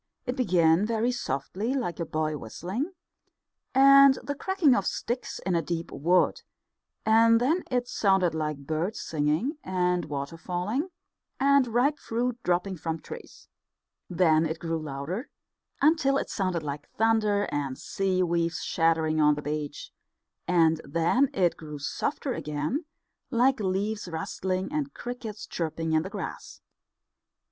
It began very softly, like a boy whistling, and the cracking of sticks in a deep wood, and then it sounded like birds singing, and water falling, and ripe fruit dropping from trees. Then it grew louder, until it sounded like thunder and sea waves shattering on the beach; and then it grew softer again, like leaves rustling, and crickets chirping in the grass.